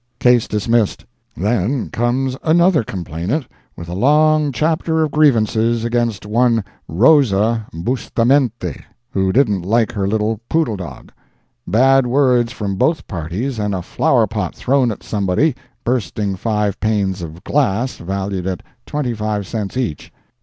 Case dismissed. Then comes another complainant with a long chapter of grievances against one Rosa Bustamente, who didn't like her little poodle dog. Bad words from both parties and a flower pot thrown at somebody, bursting five panes of glass valued at twenty five cents each.